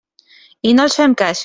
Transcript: I no els fem cas.